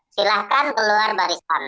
silahkan keluar barisan